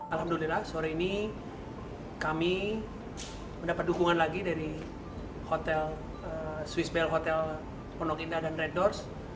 alhamdulillah sore ini kami mendapat dukungan lagi dari swiss bell hotel ponokinda dan red doors